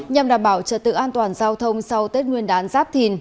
nhằm đảm bảo trật tự an toàn giao thông sau tết nguyên đán giáp thìn